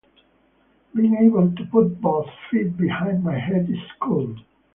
Being able to put both feet behind my head is cool.